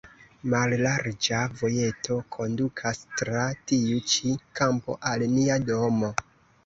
Mallarĝa vojeto kondukas tra tiu ĉi kampo al nia domo.